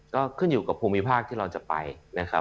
ก็ขึ้นอยู่กับภูมิภาคที่เราจะไปนะครับ